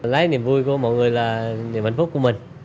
lấy niềm vui của mọi người là niềm hạnh phúc của mình